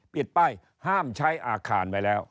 ปิดป้ายห้ามใช้อาคารไว้แล้ว